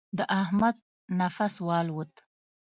د احمد نفس والوت.